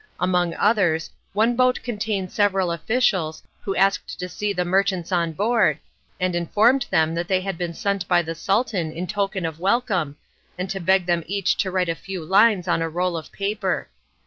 Among others, one boat contained several officials, who asked to see the merchants on board, and informed them that they had been sent by the Sultan in token of welcome, and to beg them each to write a few lines on a roll of paper.